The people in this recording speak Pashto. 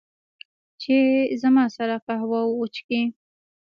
چې، زما سره قهوه وچښي